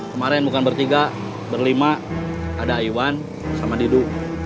kemarin bukan bertiga berlima ada iwan sama didu